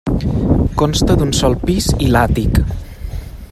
Consta d'un sol pis i l'àtic.